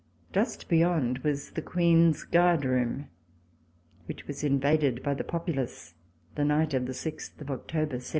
Just beyond was the Queen's Guard Room, which was invaded by the populace the night of 6 October 1789.